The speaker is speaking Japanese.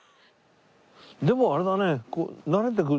でもあれだね。